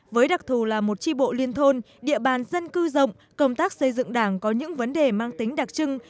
với đặc thù là một tri bộ liên thôn địa bàn dân cư rộng công tác xây dựng đảng có những vấn đề mang tính đặc trưng